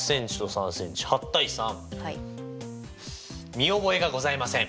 見覚えがございません。